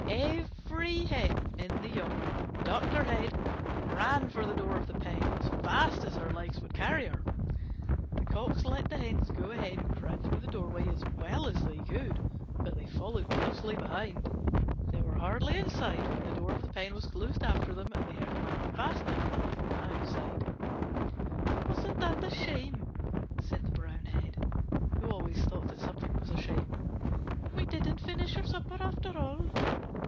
Every Hen in the yard ducked her head and ran for the door of the pen as fast as her legs would carry her. The Cocks let the Hens go ahead and crowd through the doorway as well as they could, but they followed closely behind. They were hardly inside when the door of the pen was closed after them and they heard the Man fastening it on the outside. "Wasn't that a shame!" said the Brown Hen, who always thought that something was a shame. "We didn't finish our supper after all!"